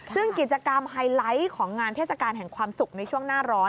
ซึ่งกิจกรรมไฮไลท์ของงานเทศกาลแห่งความสุขในช่วงหน้าร้อน